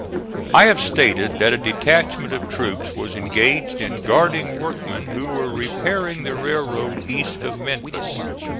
I have stated that a detachment of troops was engaged in guarding workmen who were repairing the railroad east of Memphis.